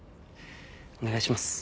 お願いします。